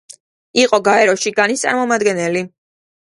იყო გაეროში განის წარმომადგენელი.